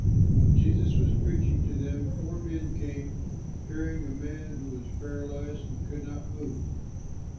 While Jesus was preaching to them, four men came, carrying a man who was paralyzed and could not move.